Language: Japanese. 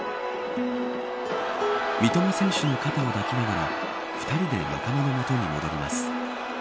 三笘選手の肩を抱きながら２人で仲間の元に戻ります。